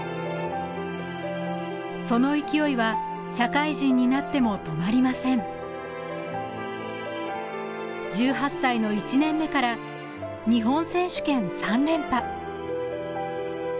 その勢いは社会人になっても止まりません１８歳の１年目から日本選手権３連覇